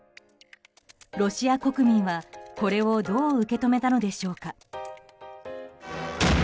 ロシア国民は、これをどう受け止めたのでしょうか。